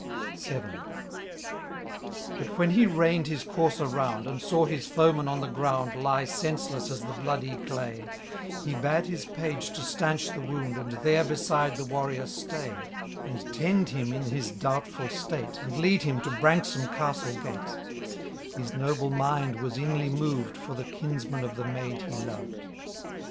VII. But when he reinM his courser round, And saw his foeman on the ground gtzed by Google 66 THR LAY or CantG III, liie senseless as the bloody claf , He bade his page to stanch the wound. And there beside the warrior stay. And tend him in his doubtful state. And lead him to Branksome castle gate : His noble mind was inly moved For the kinsman of the maid he loved.